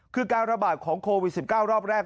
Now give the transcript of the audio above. คือการระบาดของโควิด๑๙รอบแรก